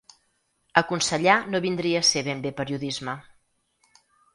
Aconsellar no vindria a ser ben bé periodisme.